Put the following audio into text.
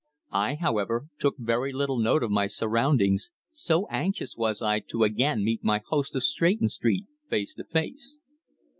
I, however, took very little note of my surroundings, so anxious was I to again meet my host of Stretton Street face to face.